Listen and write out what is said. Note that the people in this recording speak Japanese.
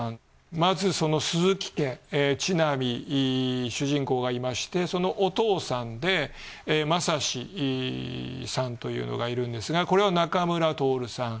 まずその鈴木家千波主人公がいましてそのお父さんで雅志さんというのがいるんですがこれは仲村トオルさん。